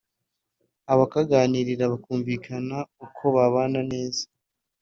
abakaganira bakumvikana uko babana neza